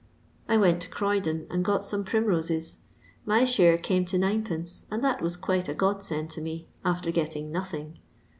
I went to Croydon and got some prim roses; my share came to 9d,, and that was quite a God send to me, after getting nothing.